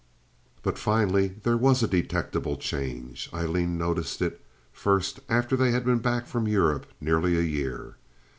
But finally there was a detectable change. Aileen noticed it first after they had been back from Europe nearly a year.